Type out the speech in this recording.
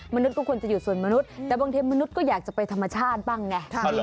มนุษย์ก็ควรจะอยู่ส่วนมนุษย์แต่บางทีมนุษย์ก็อยากจะไปธรรมชาติบ้างไง